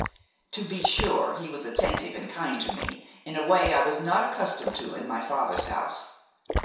To be sure, he was attentive and kind to me in a way I was not accustomed to in my father's house.